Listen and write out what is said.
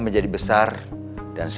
masuk iya kang